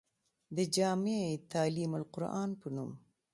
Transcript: د جامعه تعليم القرآن پۀ نوم